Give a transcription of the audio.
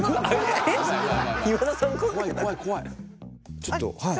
ちょっとはい。